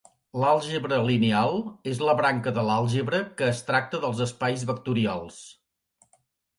L'àlgebra lineal és la branca de l'àlgebra que tracta dels espais vectorials.